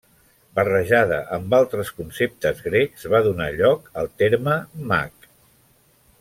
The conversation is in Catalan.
Barrejada amb altres conceptes grecs, va donar lloc al terme mag.